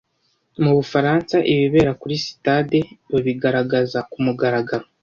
Mu Bufaransa ibibera kuri sitade babigaragaza kumugaragaro